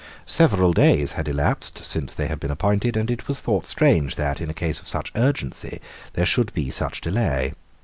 Several days had elapsed since they had been appointed; and it was thought strange that, in a case of such urgency, there should be such delay.